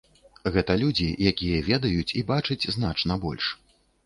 Гэта людзі, якія ведаюць і бачаць значна больш.